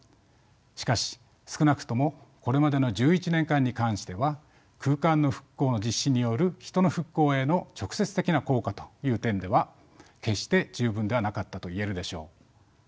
しかし少なくともこれまでの１１年間に関しては空間の復興の実施による人の復興への直接的な効果という点では決して十分ではなかったと言えるでしょう。